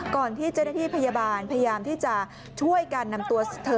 ก่อนที่เจ้าหน้าที่พยาบาลพยายามที่จะช่วยการนำตัวเธอ